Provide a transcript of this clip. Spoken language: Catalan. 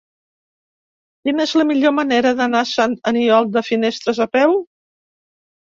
Quina és la millor manera d'anar a Sant Aniol de Finestres a peu?